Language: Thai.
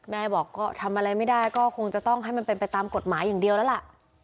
แม่บอกก็ทำอะไรไม่ได้ก็คงจะต้องให้มันเป็นไปตามกฎหมายอย่างเดียวแล้วล่ะ